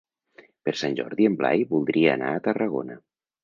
Per Sant Jordi en Blai voldria anar a Tarragona.